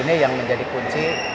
ini yang menjadi kunci